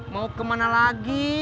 mau ke mana lagi